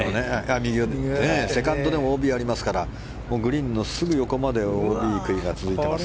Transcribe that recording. セカンドでもＯＢありますからグリーンのすぐ横までＯＢ杭が続いています。